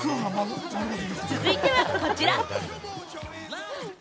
続いてはこちら。